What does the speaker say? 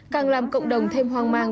càng làm cộng đồng thêm hoang mang